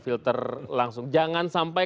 filter langsung jangan sampai